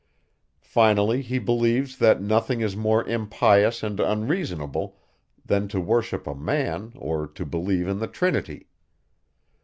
Finally, he believes, that nothing is more impious and unreasonable, than to worship a man, or to believe in the Trinity.